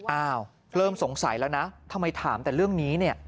อ้าวเริ่มสงสัยแล้วนะทำไมถามแต่เรื่องนี้เนี่ย